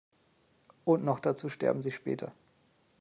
Und noch dazu sterben sie später.